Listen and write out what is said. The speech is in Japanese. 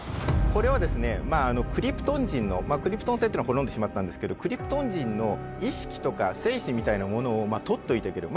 これはですねクリプトン人のまあクリプトン星というのは滅んでしまったんですけどクリプトン人の意識とか精神みたいなものを取っておいておける。